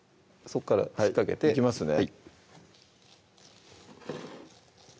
そっから引っ掛けていきますね